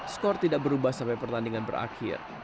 skor tidak berubah sampai pertandingan berakhir